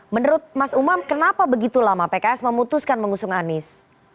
menurut mas umam kenapa begitu lama pks memutuskan mengusung anies